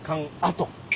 跡。